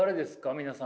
皆さんは。